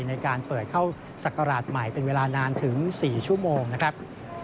ในการเปิดเข้าศักราชใหม่เป็นเวลานานถึง๔ชั่วโมงนะครับ